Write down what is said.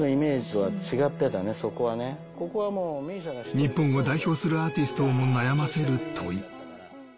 日本を代表するアーティストをも悩ませる問い。